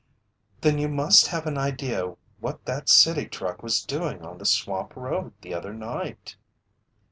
"Then you must have an idea what that city truck was doing on the swamp road the other night."